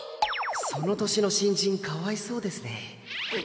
その年の新人かわいそうですね。